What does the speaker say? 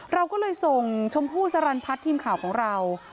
เราก็เลยส่งชมพู่สรรพัฒน์ทีมข่าวของเรา